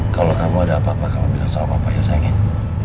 kalau kamu ada apa apa kamu bilang soal apa aja sayangnya